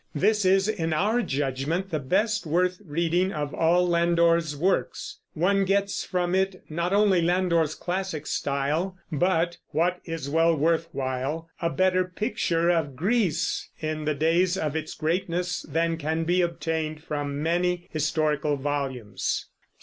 This is, in our judgment, the best worth reading of all Landor's works. One gets from it not only Landor's classic style, but what is well worth while a better picture of Greece in the days of its greatness than can be obtained from many historical volumes.